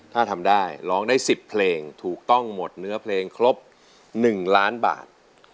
ถ้าทำได้ร้องได้๑๐เพลงถูกต้องหมดเนื้อเพลงครบ๑ล้านบาท